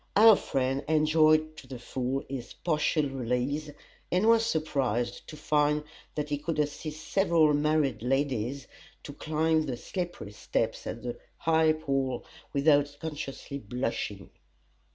Our friend enjoyed to the full this partial release, and was surprised to find that he could assist several married ladies to climb the slippery steps at the High Pall without consciously blushing.